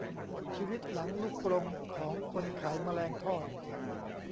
ชีวิตหลังลูกกรงของคนขายแมลงทอด